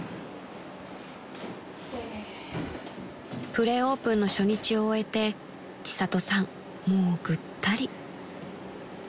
［プレオープンの初日を終えて千里さんもうぐったり］